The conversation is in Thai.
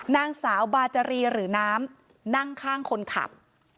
นางสาวบาจารีหรือน้ำนั่งข้างคนขับ